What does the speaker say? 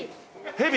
ヘビ。